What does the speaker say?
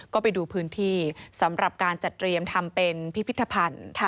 ก็ไปดูพื้นที่สำหรับการจัดเตรียมทำเป็นพิพิธภัณฑ์